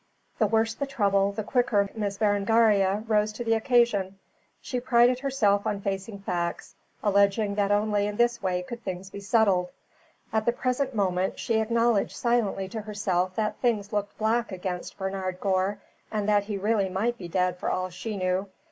The worse the trouble the quicker Miss Berengaria rose to the occasion. She prided herself on facing facts, alleging that only in this way could things be settled. At the present moment she acknowledged silently to herself that things looked black against Bernard Gore and that he really might be dead for all she knew.